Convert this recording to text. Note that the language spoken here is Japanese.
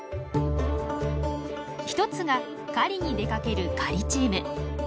１つが狩りに出かける狩りチーム。